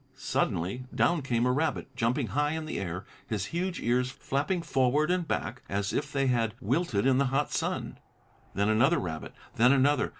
Suddenly, down came a rabbit, jumping high in the air, his huge ears flapping forward and back, as if they had wilted in the hot sun. Then another rabbit, then another!